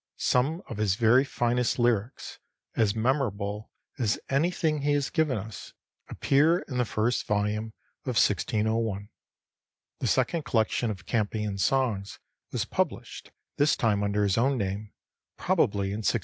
Some of his very finest lyrics, as memorable as anything he has given us, appear in this first volume of 1601. The second collection of Campion's songs was published, this time under his own name, probably in 1613.